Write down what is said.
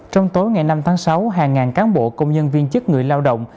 trong tối ngày năm tháng sáu hàng ngàn cán bộ công nhân viên chức người lao động